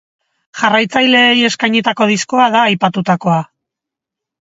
Jarraitzaileei eskainitako diskoa da aipatutakoa.